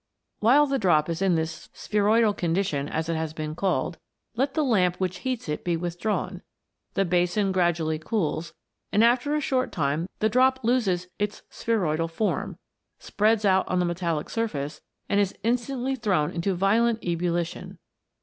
While the drop is in this spheroidal condition, as it has been called, let the lamp which heats it be withdrawn ; the basin gradually cools, and after a short time the drop loses its spheroidal form, 168 WATER BEWITCHED. spreads out on the metallic surface, and is instantly thrown into violent ebullition.